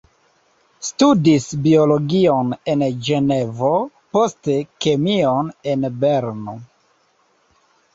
Studis biologion en Ĝenevo, poste kemion en Berno.